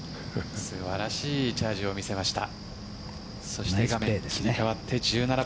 素晴らしいチャージを見せました。